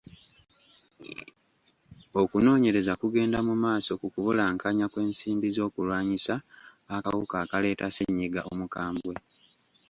Okunoonyereza kugenda mu maaso ku kubulankanya kw'ensimbi z'okulwanyisa akawuka akaleeta ssenyiga omukambwe.